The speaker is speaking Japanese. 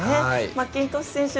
マッキントッシュ選手